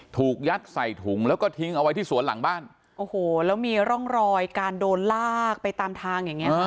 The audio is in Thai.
ถูกยัดใส่ถุงแล้วก็ทิ้งเอาไว้ที่สวนหลังบ้านโอ้โหแล้วมีร่องรอยการโดนลากไปตามทางอย่างเงี้